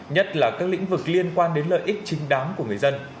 nhất là các lĩnh vực liên quan đến lợi ích chính đáng của người dân